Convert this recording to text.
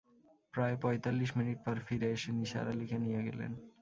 প্রায় পয়তাল্লিশ মিনিট পর ফিরে এসে নিসার আলিকে নিয়ে গেলেন।